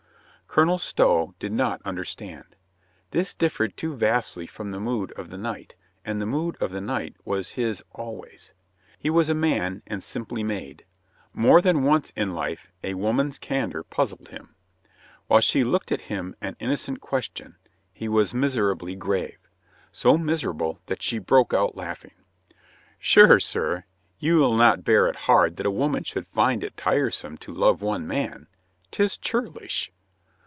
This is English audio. Colonel Stow did not understand. This differed too vastly from the mood of the night, and the mood of the night was his always. He was a man, and simply made. More than once in life a woman's candor puzzled him. While she looked at him an innocent question, he was miserably grave — so miserable that she broke out laughing. "Sure, sir, you'll not bear it hard that a woman should find it tiresome to love one man? 'Tis churlish